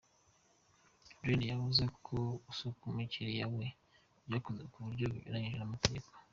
Ryan yavuze ko gusaka umukiliya we byakozwe mu buryo bunyuranyije n’amategeko.